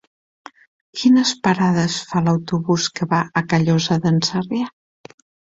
Quines parades fa l'autobús que va a Callosa d'en Sarrià?